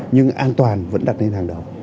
nhưng an toàn vẫn đặt lên hàng đầu